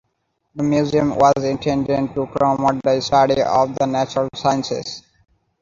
The museum was intended to promote the study of the natural sciences.